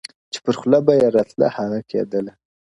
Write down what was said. چي پر خوله به یې راتله هغه کېدله-